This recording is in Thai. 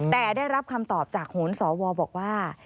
แต่ได้รับคำตอบจากโหนสวบอกว่า